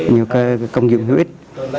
nhiều công dụng hữu ích